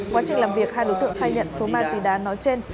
quá trình làm việc hai đối tượng khai nhận số ma túy đá nói trên